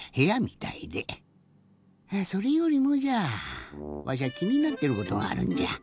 それよりもじゃあわしゃきになってることがあるんじゃ。